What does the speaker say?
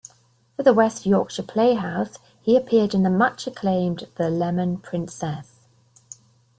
For the West Yorkshire Playhouse he appeared in the much acclaimed "The Lemon Princess".